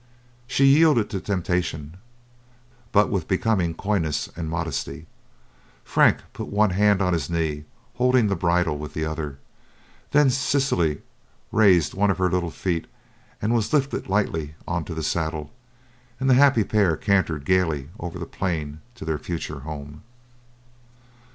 She yielded to temptation, but with becoming coyness and modesty. Frank put one hand on his knee, holding the bridle with the other; then Cicely raised one of her little feet, was lifted lightly on to the saddle, and the happy pair cantered gaily over the plain to their future home.